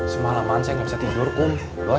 semalaman saya gak bisa tidur kum